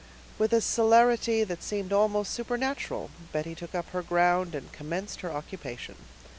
With a celerity that seemed almost supernatural, Betty took up her ground and commenced her occupation.